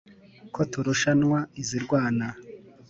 ko turushanwa izi rwana